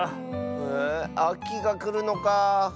へえあきがくるのかあ。